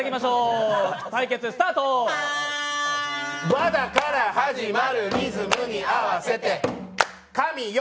わだからはじまるリズムに合わせて、かみ４。